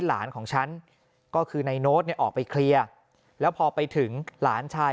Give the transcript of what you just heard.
หลานของฉันก็คือในโน้ตเนี่ยออกไปเคลียร์แล้วพอไปถึงหลานชาย